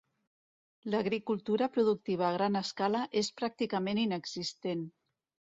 L'agricultura productiva a gran escala és pràcticament inexistent.